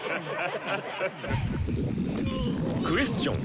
クエスチョン